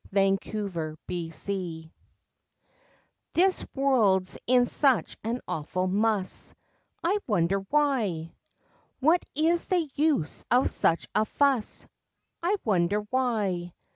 I WONDER WHY This world's in such an awful muss, I wonder why! What is the use of such a fuss? I wonder why!